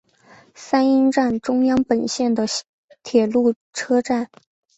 三鹰站中央本线的铁路车站。